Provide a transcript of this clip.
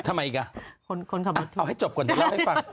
ทำไมอีกอ่ะเอาให้จบก่อนลองให้ฟัง